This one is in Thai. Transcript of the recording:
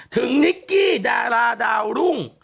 ถึงนิกกี้ดาลาดาวน์รุ่ง